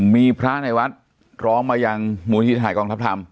มีพระในวัดร้องมายังมูลที่ถ่ายกองทัพธรรม